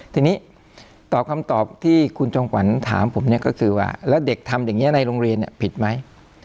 ทีนี้ตอบคำตอบที่คุณจอมขวัญถามผมเนี่ยก็คือว่าแล้วเด็กทำอย่างนี้ในโรงเรียนผิดไหม